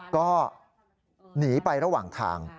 ก็หนีไประหว่างทาง